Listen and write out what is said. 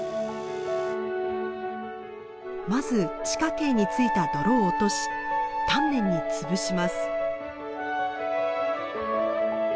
まず地下茎についた泥を落とし丹念に潰します。